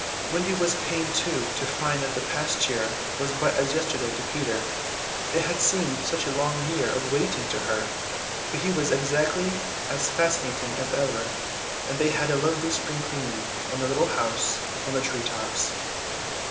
Wendy was pained too to find that the past year was but as yesterday to Peter; it had seemed such a long year of waiting to her. But he was exactly as fascinating as ever, and they had a lovely spring cleaning in the little house on the tree tops.